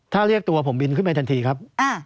ถ้าเรียกตัวผมบินขึ้นไปทันทีครับ